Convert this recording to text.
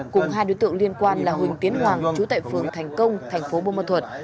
cùng hai đối tượng liên quan là huỳnh tiến hoàng trú tại phường thành công thành phố buôn ma thuật